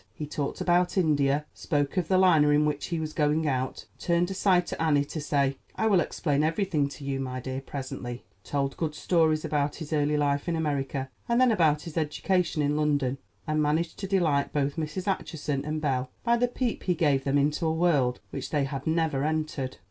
He talked about India, spoke of the liner in which he was going out; turned aside to Annie to say, "I will explain everything to you, my dear, presently"; told good stories about his early life in America, and then about his education in London; and managed to delight both Mrs. Acheson and Belle by the peep he gave them into a world which they had never entered.